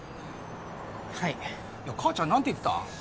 はい母ちゃん何て言ってた？